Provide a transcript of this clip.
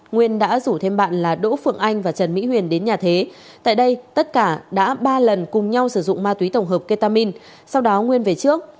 nguyên đã rủ thêm bạn là đỗ phượng anh và trần mỹ huyền đến nhà thế tại đây tất cả đã ba lần cùng nhau sử dụng ma túy tổng hợp ketamin sau đó nguyên về trước